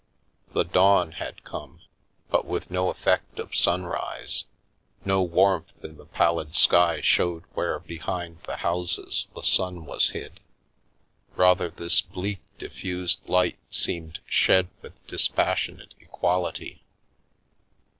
The dawn had come, but with no effect of sunrise; no warmth in the pallid sky showed where, be hind the houses, the sun was hid; rather this bleak, diffused light seemed shed with dispassionate equality.